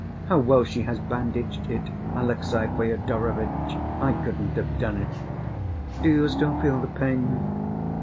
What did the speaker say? How well she has bandaged it, Alexey Fyodorovitch! I couldn't have done it. Do you still feel the pain?"